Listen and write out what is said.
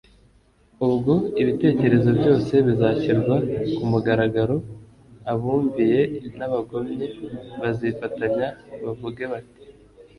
Ubwo ibitekerezo byose bizashyirwa ku mugaragaro, abumviye n'abagomye bazifatanya bavuge bati